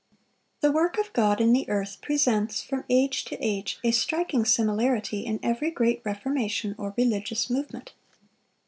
] The work of God in the earth presents, from age to age, a striking similarity in every great reformation or religious movement.